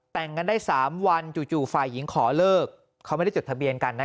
แต่งกันได้๓วันจู่ฝ่ายหญิงขอเลิกเขาไม่ได้จดทะเบียนกันนะ